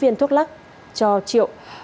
và chín viên thuốc lắc cho triệu